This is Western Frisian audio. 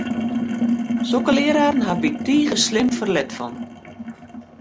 Sokke leararen hawwe wy tige slim ferlet fan!